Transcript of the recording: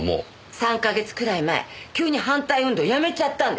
３か月くらい前急に反対運動をやめちゃったんです。